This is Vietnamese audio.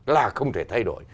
là không thể thay đổi